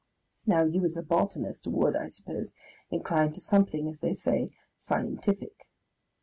Now you as a botanist would, I suppose, incline to something as they say, "scientific."